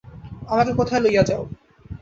আমাকে কোথায় লইয়া যাও?